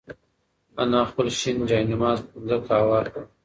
انا خپل شین جاینماز پر ځمکه هوار کړ.